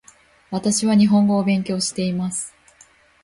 私は日本語を勉強しています